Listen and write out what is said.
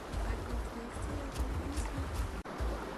Аднак знайсці яго не змаглі.